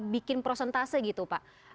bikin prosentase gitu pak